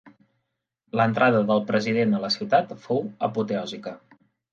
L'entrada del president a la ciutat fou apoteòsica.